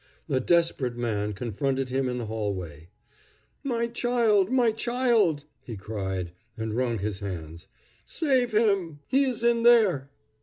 A desperate man confronted him in the hallway. "My child! my child!" he cried, and wrung his hands. "Save him! He is in there."